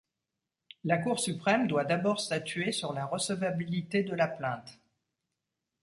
La cour suprême doit d'abord statuer sur la recevabilité de la plainte.